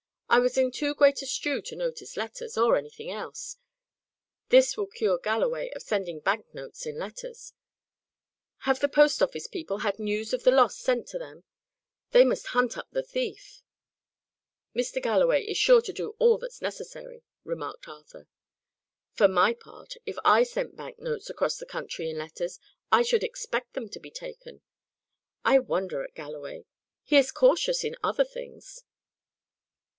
"I was in too great a stew to notice letters, or anything else. This will cure Galloway of sending bank notes in letters. Have the post office people had news of the loss sent to them? They must hunt up the thief." "Mr. Galloway is sure to do all that's necessary," remarked Arthur. "For my part, if I sent bank notes across the country in letters, I should expect them to be taken. I wonder at Galloway. He is cautious in other things."